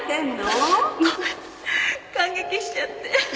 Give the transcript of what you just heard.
ごめん感激しちゃって。